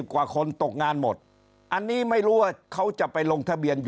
กว่าคนตกงานหมดอันนี้ไม่รู้ว่าเขาจะไปลงทะเบียน